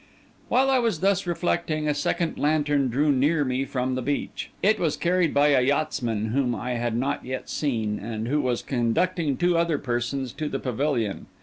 While I was thus reflecting, a second lantern drew near me from the beach. It was carried by a yachtsman whom I had not yet seen, and who was conducting two other persons to the pavilion.